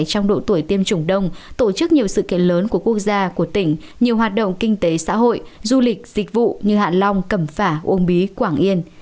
trong độ tuổi tiêm chủng đông tổ chức nhiều sự kiện lớn của quốc gia của tỉnh nhiều hoạt động kinh tế xã hội du lịch dịch vụ như hạ long cẩm phả uông bí quảng yên